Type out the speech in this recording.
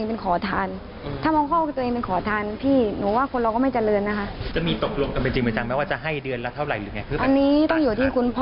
บอกเลยคุณป้าไหมคะถ้าเกิดเขาจะยังไม่อยู่ที่ไหน